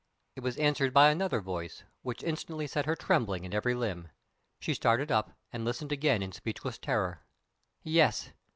It was answered by another voice, which instantly set her trembling in every limb. She started up, and listened again in speechless terror. Yes!